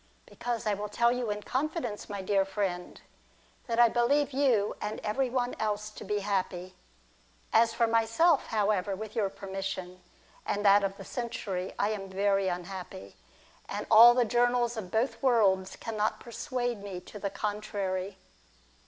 Because, I will tell you in confidence, my dear friend, that I believe you and every one else to be happy. As for myself, however, with your permission, and that of TRISTANO AND A FRIEND. 215 the century, I am very unhappy, and all the journals of both worlds cannot persuade me to the contrary.